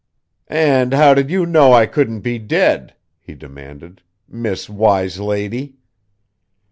"And how did you know I couldn't be dead?" he demanded. "Miss Wise Lady."